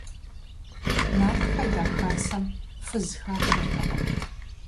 Нартхэ я хасэм фыз хашэртэкъым.